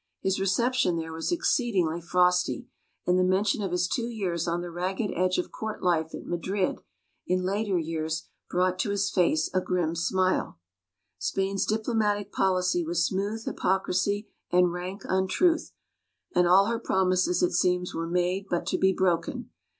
His reception there was exceedingly frosty, and the mention of his two years on the ragged edge of court life at Madrid, in later years brought to his face a grim smile. Spain's diplomatic policy was smooth hypocrisy and rank untruth, and all her promises, it seems, were made but to be broken.